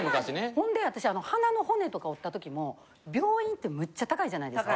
ほんで私鼻の骨とか折った時も病院ってむっちゃ高いじゃないですか。